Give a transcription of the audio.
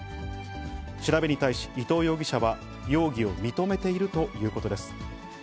調べに対し、伊藤容疑者は容疑を認めているということです。